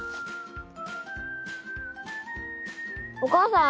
お母さん。